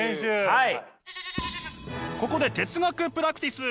はい。